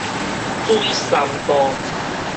水杉道